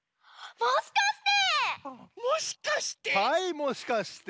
もしかして！